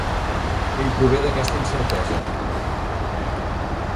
Ell prové d'aquesta incertesa.